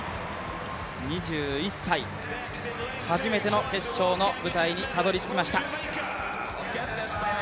２１歳、初めての決勝の舞台にたどり着きました。